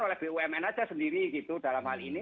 oleh bumn saja sendiri gitu dalam hal ini